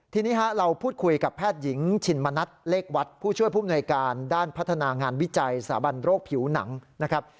ทีนี้เราพูดคุยกับแพทย์หญิงชินมณัฐเลขวัดผู้ช่วยผู้มนวยการด้านพัฒนางานวิจัยสาบันโรคผิวหนังนะครับ